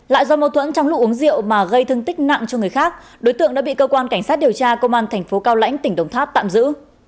lại do mâu thuẫn trong lúc uống rượu mà gây thương tích nặng cho người khác đối tượng đã bị cơ quan cảnh sát điều tra công an thành phố cao lãnh tỉnh đồng tháp tạm giữ